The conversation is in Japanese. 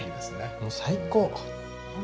もう最高！